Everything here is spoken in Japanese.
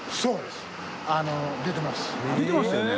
出てましたよね。